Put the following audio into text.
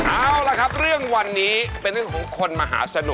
เอาล่ะครับเรื่องวันนี้เป็นเรื่องของคนมหาสนุก